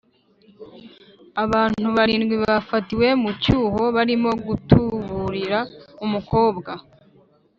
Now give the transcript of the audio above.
abantu barindwi bafatiwe mu cyuho barimo gutuburira umukobwa